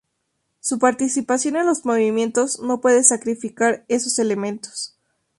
Su participación en los movimientos no puede sacrificar esos elementos.